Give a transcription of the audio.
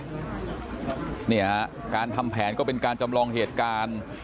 เนี่ยการทำแผนก็เป็นการจำลองเหตุการณ์